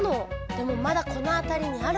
でもまだこのあたりにあるはず。